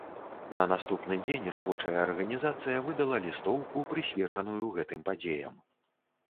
На наступны дзень рабочая арганізацыя выдала лістоўку, прысвечаную гэтым падзеям.